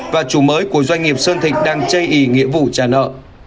và chủ mới của doanh nghiệp sơn thịnh đang chê ý nghĩa vụ trả nợ